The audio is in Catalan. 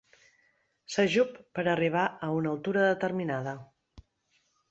S'ajup en arribar a una altura determinada.